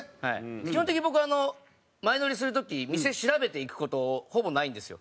基本的に僕前乗りする時店調べて行く事ほぼないんですよ。